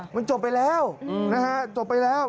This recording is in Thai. มันจบไปแล้วจบไปแล้ว